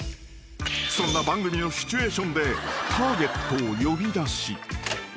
［そんな番組のシチュエーションでターゲットを呼び出し］